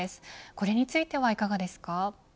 これについてはいかがですか。